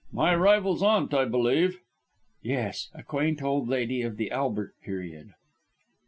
My rival's aunt, I believe?" "Yes. A quaint old lady of the Albert period."